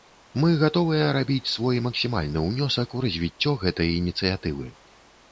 Мы гатовыя рабіць свой максімальны ўнёсак у развіццё гэтай ініцыятывы.